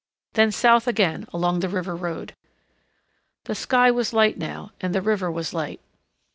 Then south again along the river road. The sky was light now. And the river was light.